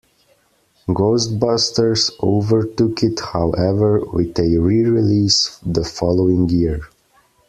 "Ghostbusters" overtook it, however, with a re-release the following year.